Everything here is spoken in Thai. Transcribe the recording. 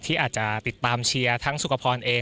ที่อาจจะติดตามเชียร์ทั้งสุขพรเอง